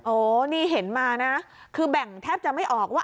โอ้นี่เห็นมานะคือแบ่งแทบจะไม่ออกว่า